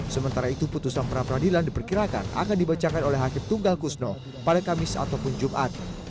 sementara itu putusan pra peradilan diperkirakan akan dibacakan oleh hakim tunggal kusno pada kamis ataupun jumat